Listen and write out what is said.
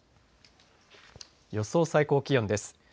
予想最高気温です。